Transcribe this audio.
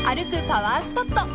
パワースポット